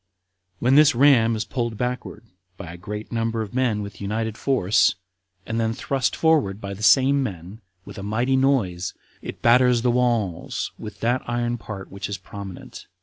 When this ram is pulled backward by a great number of men with united force, and then thrust forward by the same men, with a mighty noise, it batters the walls with that iron part which is prominent.